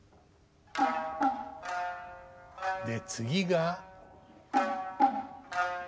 で次が。